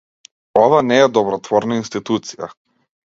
Ова не е добротворна институција.